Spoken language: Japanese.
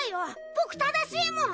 ボク正しいもん！